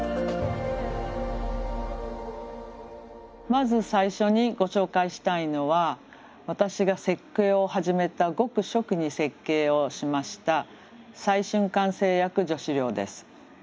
まず最初にご紹介したいのは私が設計を始めたごく初期に設計をしました再春館製薬女子寮です。